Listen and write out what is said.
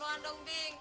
bab gak tau gitu loh